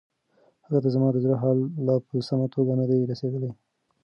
هغې ته زما د زړه حال لا په سمه توګه نه دی رسیدلی.